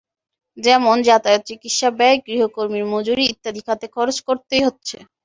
যেমন, যাতায়াত, চিকিৎসা ব্যয়, গৃহকর্মীর মজুরি ইত্যাদি খাতে খরচ করতেই হচ্ছে।